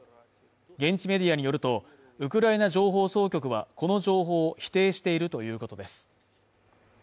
現地メディアによると、ウクライナ情報総局はこの情報を否定しているということです。